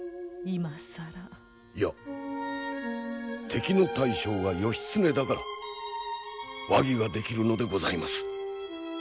いや敵の大将が義経だから和議ができるのでございます。